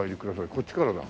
こっちからだ。